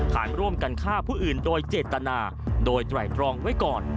ฐานร่วมกันฆ่าผู้อื่นโดยเจตนาโดยไตรตรองไว้ก่อน